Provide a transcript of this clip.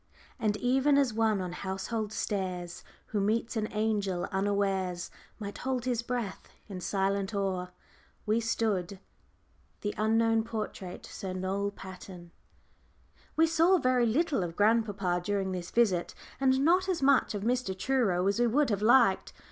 "And, even as one on household stairs, Who meets an angel unawares, Might hold his breath; in silent awe We stood." The Unknown Portrait SIR NOEL PATON. We saw very little of grandpapa during this visit, and not as much of Mr. Truro as we would have liked.